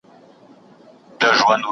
مدني مسؤلیتونه د هر چا دنده وه.